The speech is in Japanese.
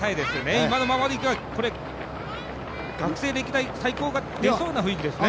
今のままでいけばこれ、学生歴代最高が出そうな雰囲気ですね。